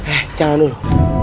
eh jangan dulu